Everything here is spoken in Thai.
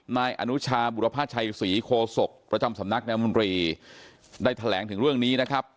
นายอนุชาบุรพาชัยศรีโคศกประจำสำนักนายมนตรีได้แถลงถึงเรื่องนี้นะครับ